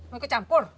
mau ikut campur